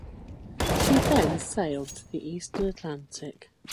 She then sailed to the eastern Atlantic.